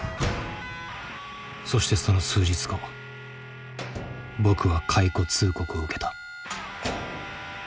そしてその数日後僕は解雇通告を受けた。